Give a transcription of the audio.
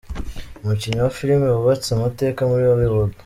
Umukinnyi wa filime wubatse amateka muri Hollywood.